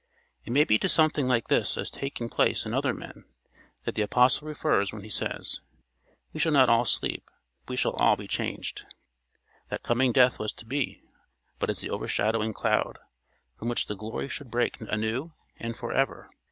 It may be to something like this as taking place in other men that the apostle refers when he says: "We shall not all sleep, but we shall all be changed." That coming death was to be but as the overshadowing cloud, from which the glory should break anew and for ever.